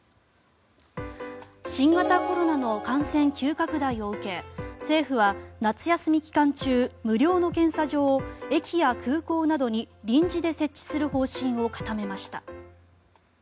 新型コロナの感染急拡大を受け政府は夏休み期間中無料の検査場を駅や空港などに臨時で設置する方針を固めました。